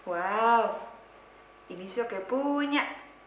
wow ini suka punya